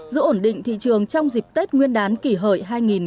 giữ ổn định thị trường trong dịp tết nguyên đán kỷ hợi hai nghìn một mươi chín